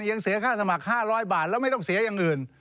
ยังเสียค่าสมัคร๕๐๐บาทแล้วไม่ต้องเสียอย่างอื่น